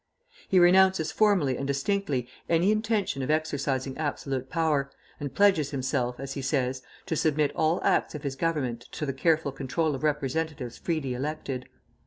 He renounces formally and distinctly any intention of exercising absolute power, and pledges himself, as he says, 'to submit all acts of his government to the careful control of representatives freely elected.'